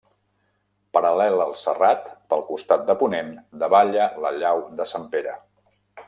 Paral·lel al serrat, pel costat de ponent, davalla la llau de Sant Pere.